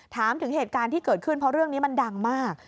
ถามถึงเหตุการณ์ที่เกิดขึ้นเพราะเรื่องนี้มันดังมาก